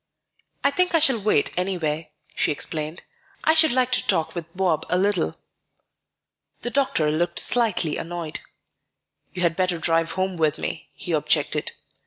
"I think I shall wait anyway," she explained. "I should like to talk with Bob a little." The doctor looked slightly annoyed. "You had better drive home with me," he objected.